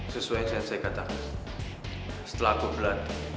sesuai sensei katanya setelah aku bela